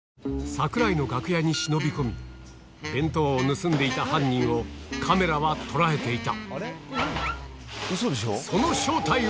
櫻井の楽屋に忍び込み、弁当を盗んでいた犯人を、カメラは捉えていた。